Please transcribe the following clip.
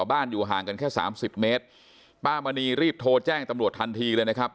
อยู่ห่างกันแค่สามสิบเมตรป้ามณีรีบโทรแจ้งตำรวจทันทีเลยนะครับ